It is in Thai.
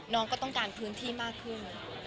น้องก็ต้องการพื้นที่มากขึ้น